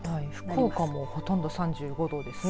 福岡もほとんど３５度ですね。